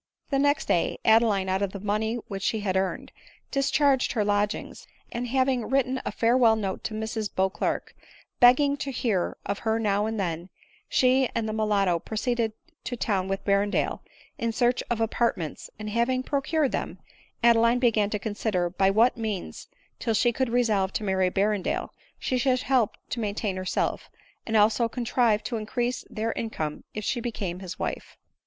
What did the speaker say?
The next day Adeline, ' out of the money which she had earned, discharged her lodgings; and having written a farewell note to Mrs Beauclerc, begging to hear of her now and then, she and the mulatto proceeded to town, with Berrendale, in search of apartments ; and having procured them, Adeline began to consider by what means, till she could resolve to marry Berrendale, she should help to maintain herself, and also contrive to increase their income if she became his wife.